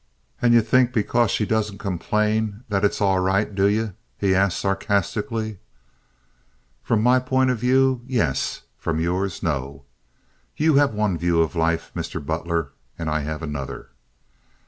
"And ye think because she doesn't complain that it's all right, do ye?" he asked, sarcastically. "From my point of view, yes; from yours no. You have one view of life, Mr. Butler, and I have another."